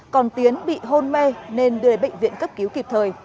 còn tiến bị hôn mê nên đưa đến bệnh viện cấp cứu kịp thời